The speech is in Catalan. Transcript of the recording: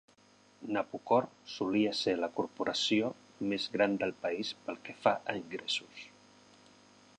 Napocor solia ser la corporació més gran del país pel que fa a ingressos.